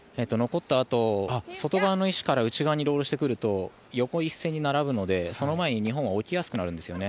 残ったあと外側の石が内側にロールすると横一線に並ぶのでその前に日本は置きやすくなるんです。